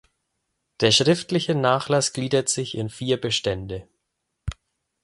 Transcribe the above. Der schriftliche Nachlass gliedert sich in vier Bestände.